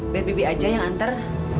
biar bibi aja yang antar